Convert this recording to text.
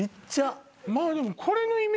まあでも。